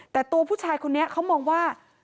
แต่ตัวผู้ชายคนนี้เขามองว่า